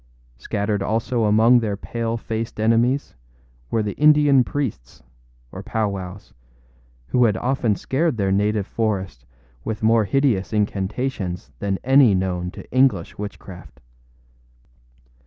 Scattered also among their pale faced enemies were the Indian priests, or powwows, who had often scared their native forest with more hideous incantations than any known to English witchcraft.